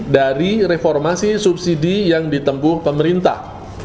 dari reformasi subsidi yang ditempuh pemerintah